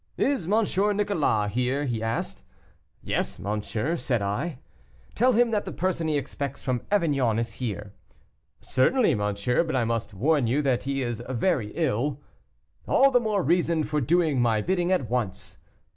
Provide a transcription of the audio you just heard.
'Is M. Nicolas here?' asked he. 'Yes, monsieur,' said I. 'Tell him that the person he expects from Avignon is here.' 'Certainly, monsieur, but I must warn you that he is very ill.' 'All the more reason for doing my bidding at once.